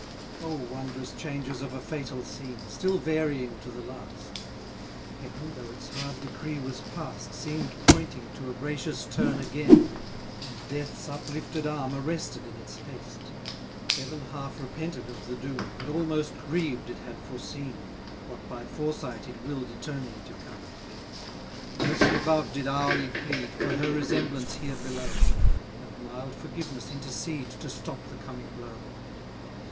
O wondrous changes of a fatal scene, Still varying to the last! Heaven, though its hard decree was past, Seem'd pointing to a gracious turn again: And death's uplifted arm arrested in its haste. Heaven half repented of the doom, And almost grieved it had foreseen, What by foresight it will'd eternally to come. Mercy above did hourly plead For her resemblance here below; And mild forgiveness intercede To stop the coming blow.